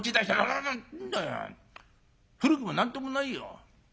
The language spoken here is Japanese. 「何だよ古くも何ともないよ。